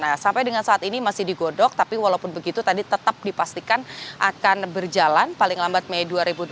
nah sampai dengan saat ini masih digodok tapi walaupun begitu tadi tetap dipastikan akan berjalan paling lambat mei dua ribu dua puluh